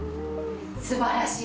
すばらしい！